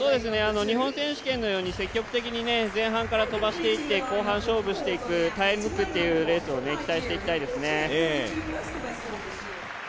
日本選手権のように積極的に前半から飛ばしていって後半勝負していく、耐え抜くというレースを期待していきたいですね。